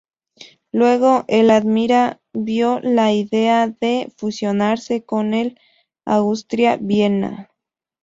Luego, el Admira vio la idea de fusionarse con el Austria Vienna.